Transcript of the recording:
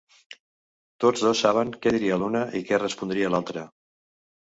Tots dos saben què diria l'una i què respondria l'altre.